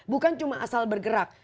bukan cuma asal bergerak